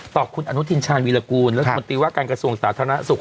คุณอนุทินชาญวีรกูลรัฐมนตรีว่าการกระทรวงสาธารณสุข